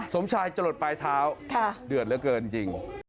สมชายจะหลดปลายเท้าเดือดเหลือเกินจริง